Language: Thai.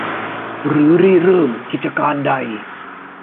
หรือริเริ่มกิจการใด